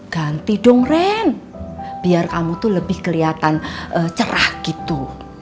ganti dong ren biar kamu tuh lebih kelihatan cerah gitu